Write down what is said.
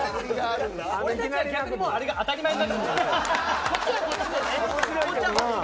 俺たちは逆にあれが当たり前になってる。